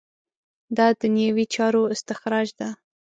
دا دنیوي چارو استخراج ده.